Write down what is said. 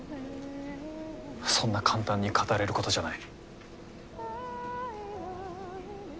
そんな簡単に語れることじゃない。